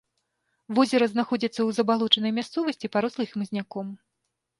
Возера знаходзіцца ў забалочанай мясцовасці, парослай хмызняком.